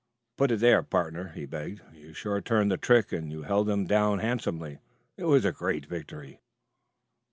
"Put it there, partner," he begged. "You sure turned the trick, and you held them down handsomely. It was a great victory."